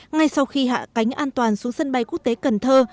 ngay sau khi hạ cánh an toàn xuống sân bay quốc tế cần thơ